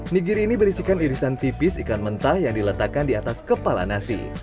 nigiri ini berisikan irisan tipis ikan mentah yang diletakkan di atas kepala nasi